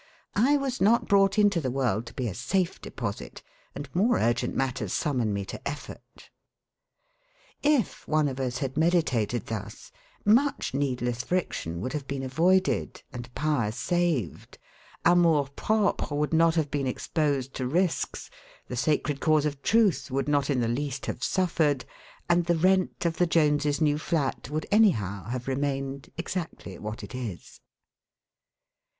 I was not brought into the world to be a safe deposit, and more urgent matters summon me to effort.' If one of us had meditated thus, much needless friction would have been avoided and power saved; amour propre would not have been exposed to risks; the sacred cause of truth would not in the least have suffered; and the rent of the Joneses' new flat would anyhow have remained exactly what it is.